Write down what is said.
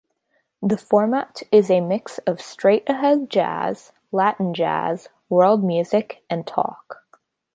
The format is a mix of straight-ahead jazz, Latin jazz, world music, and talk.